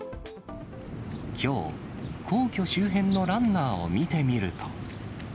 きょう、皇居周辺のランナーを見てみると。